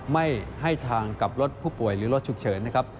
ไม่ให้ทางกับรถผู้ป่วยหรือรถฉุกเฉินนะครับ